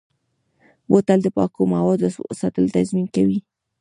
بوتل د پاکو موادو ساتلو تضمین کوي.